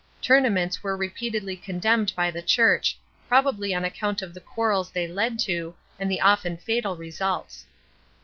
Tournaments were repeatedly condemned by the Church, probably on account of the quarrels they led to, and the often fatal results.